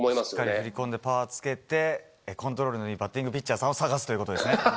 しっかり振り込んでパワーをつけてコントロールのいいバッティングピッチャーを探すということですね。